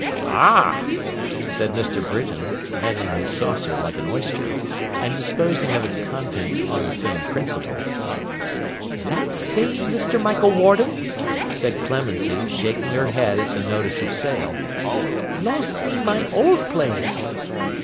'Ah!' said Mr. Britain, handling his saucer like an oyster, and disposing of its contents on the same principle. 'That same Mr. Michael Warden,' said Clemency, shaking her head at the notice of sale, 'lost me my old place.